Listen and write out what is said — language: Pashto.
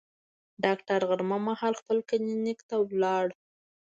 ډاکټر غرمه مهال خپل کلینیک ته لاړ.